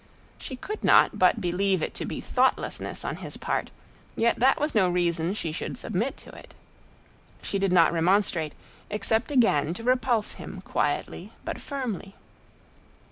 She could not but believe it to be thoughtlessness on his part; yet that was no reason she should submit to it. She did not remonstrate, except again to repulse him quietly but firmly.